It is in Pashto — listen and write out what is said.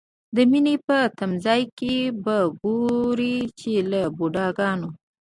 د مینې په تمځای کې به وګورئ چې له بوډاګانو.